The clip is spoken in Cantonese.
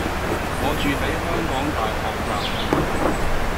我住喺香港大學站附近